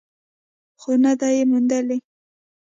خو نه ده یې موندلې.